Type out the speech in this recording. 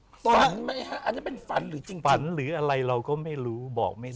ฝันไหมฮะอันนี้เป็นฝันหรือจริงฝันหรืออะไรเราก็ไม่รู้บอกไม่รู้